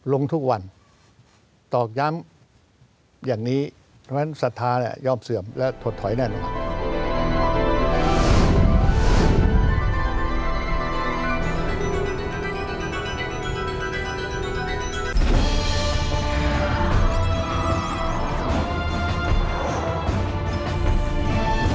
ลงทุกวันตอกย้ำอย่างนี้เพราะฉะนั้นศรัทธาเนี่ยยอมเสื่อมและถดถอยแน่นอน